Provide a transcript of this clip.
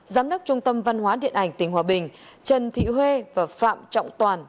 giám đốc trung tâm văn hóa điện ảnh tình hòa bình trần thị huê và phạm trọng toàn